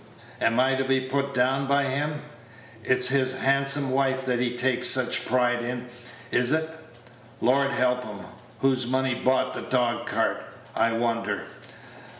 Am I to be put down by him? It's his handsome wife that he takes such pride in, is it? Lord help him! Whose money bought the dog cart, I wonder?